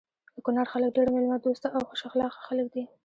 د کونړ خلک ډير ميلمه دوسته او خوش اخلاقه خلک دي.